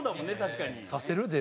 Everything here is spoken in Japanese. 確かに。